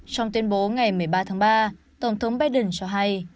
trong tuyên bố ngày một mươi ba tháng ba tổng thống biden cho hay